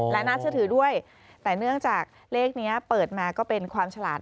และน่าเชื่อถือด้วยแต่เนื่องจากเลขนี้เปิดมาก็เป็นความฉลาด